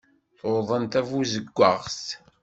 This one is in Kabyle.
Tuḍen tabuzewwaɣt.